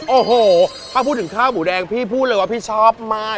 โอ้โหถ้าพูดถึงข้าวหมูแดงพี่พูดเลยว่าพี่ชอบมาก